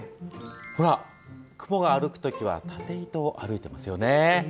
ほら、クモが歩く時は縦糸を歩いてますよね。